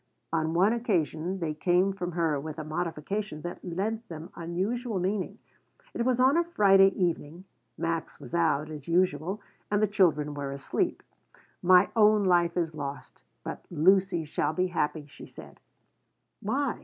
On one occasion they came from her with a modification that lent them unusual meaning. It was on a Friday evening. Max was out, as usual, and the children were asleep. "My own life is lost, but Lucy shall be happy," she said "Why?"